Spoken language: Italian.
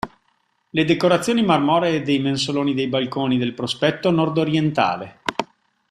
Le decorazioni marmoree dei mensoloni dei balconi del prospetto nordorientale.